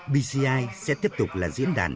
p side sẽ tiếp tục là diễn đàn